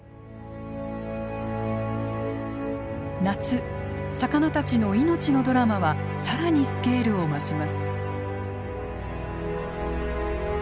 夏魚たちの命のドラマは更にスケールを増します。